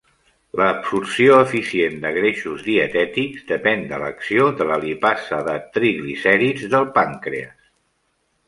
L'absorció eficient de greixos dietètics depèn de l'acció de la lipasa de triglicèrids del pàncrees.